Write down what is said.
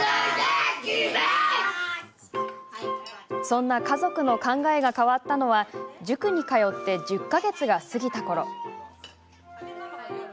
そんな家族の考えが変わったのは塾に通って１０か月が過ぎたころ。